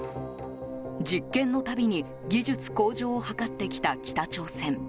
実験の度に技術向上を図ってきた北朝鮮。